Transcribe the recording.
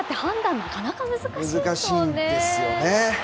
なかなか難しいですよね。